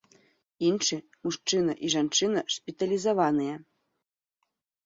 Іншы мужчына і жанчына шпіталізаваныя.